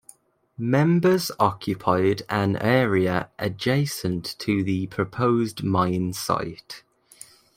Members occupied an area adjacent to the proposed mine site.